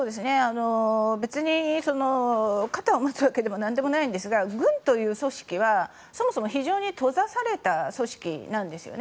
別に肩を持つわけでもなんでもないんですが軍という組織はそもそも非常に閉ざされた組織なんですよね。